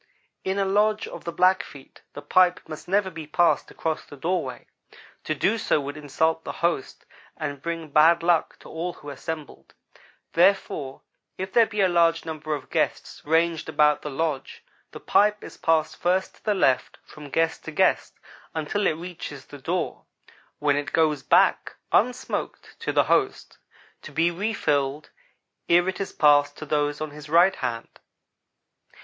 In a lodge of the Blackfeet the pipe must never be passed across the doorway. To do so would insult the host and bring bad luck to all who assembled. Therefore if there be a large number of guests ranged about the lodge, the pipe is passed first to the left from guest to guest until it reaches the door, when it goes back, unsmoked, to the host, to be refilled ere it is passed to those on his right hand.